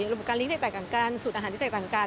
ระบบการเลี้แตกต่างกันสูตรอาหารที่แตกต่างกัน